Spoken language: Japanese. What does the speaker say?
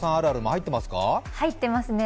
入ってますね。